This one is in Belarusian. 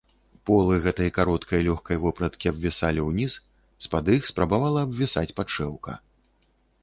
Полы гэтай кароткай лёгкай вопраткі абвісалі ўніз, з-пад іх спрабавала абвісаць падшэўка.